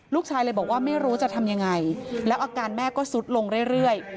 ลูกชายเลยบอกว่าไม่รู้จะทำยังไงแล้วอาการแม่ก็สุดลงเรื่อย